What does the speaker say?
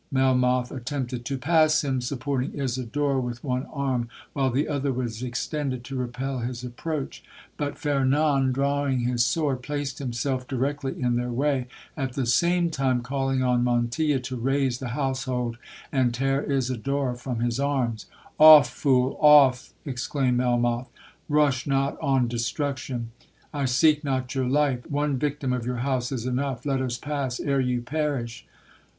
Melmoth attempted to pass him, supporting Isidora with one arm, while the other was extended to repel his approach; but Fernan, drawing his sword, placed himself directly in their way, at the same time calling on Montilla to raise the household, and tear Isidora from his arms. 'Off, fool—off!' exclaimed Melmoth 'Rush not on destruction!—I seek not your life—one victim of your house is enough—let us pass ere you perish!'